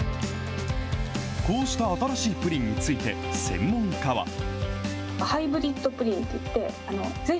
こうした新しいプリンについて、専門家は。